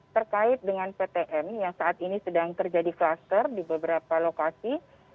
terkait dengan ptm yang saat ini sedang terjadi kluster di beberapa lokasi